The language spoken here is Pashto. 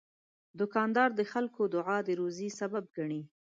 دوکاندار د خلکو دعا د روزي سبب ګڼي.